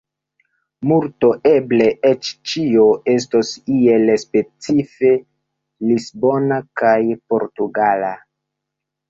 Multo, eble eĉ ĉio, estos iel specife lisbona kaj portugala.